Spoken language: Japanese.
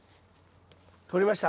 取れました？